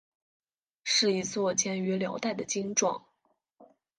是一座建于辽代的经幢。